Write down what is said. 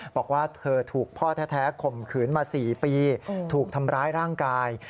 บอกว่าเธอถูกพ่อแท้ข่มขืนมา๔ปีถูกทำร้ายร่างกาย